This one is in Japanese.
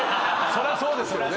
そりゃそうですよね。